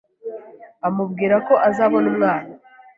amubwira ko azabona umwana